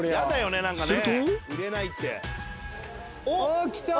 するとおっきた！